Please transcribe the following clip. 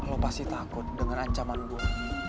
lo pasti takut dengan ancaman gue